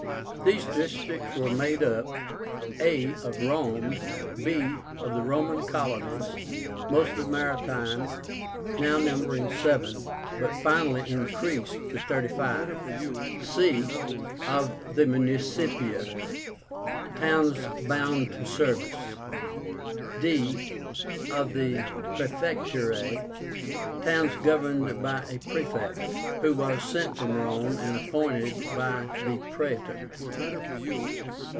These districts were made up, a. Of ROME. b. Of the ROMAN COLONIES, mostly maritime, now numbering seven, but finally increased to thirty five. c. Of the MUNICIPIA (towns bound to service). d. Of the PRAEFECTÚRAE (towns governed by a praefect, who was sent from Rome and appointed by the Praetor).